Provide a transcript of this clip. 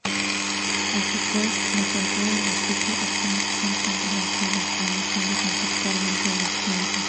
Así pues, la cultura y la psique están siempre entrelazados, aun siendo conceptualmente distintos.